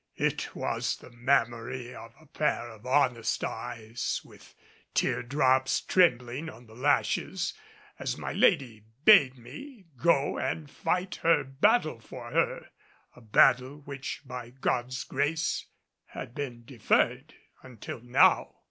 It was the memory of a pair of honest eyes with tear drops trembling on the lashes, as my lady bade me go and fight her battle for her a battle which by God's grace had been deferred until now.